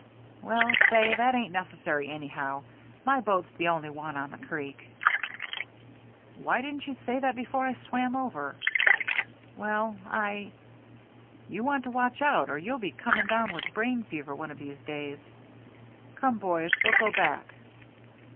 " Well, say, that ain't necessary anyhow. My boat's the only one on the creek." "Why didn't you say that before I swam over ?" "Well, I —"" You want to watch out or you'll be coming down with brain fever one of these days. Come, boys, we'll go back."